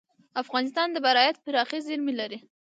افغانستان د بیرایت پراخې زیرمې لري.